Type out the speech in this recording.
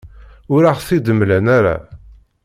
Ur aɣ-t-id-mlan ara.